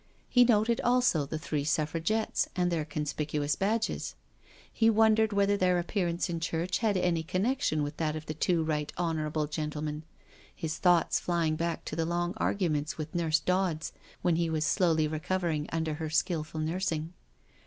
He noted also the three Suffragettes and their conspicuous badges. He won dered whether their appearance in church had any connection with that of the two Right Honourable gentlemen, his thoughts flying back to the long arguments with Nurse Dodds, when he was slowly recovering under her skilful nursing.